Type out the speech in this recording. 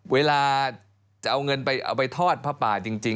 เวลาจะเอาเงินไปทอดปลาจริง